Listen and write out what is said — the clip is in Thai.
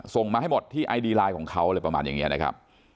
ส่งมาให้หมดที่ไอดีไลน์ของเขาอะไรประมาณอย่างนี้นะครับ